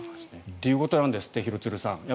ということなんですって廣津留さん。